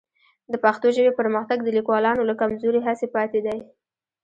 د پښتو ژبې پرمختګ د لیکوالانو له کمزورې هڅې پاتې دی.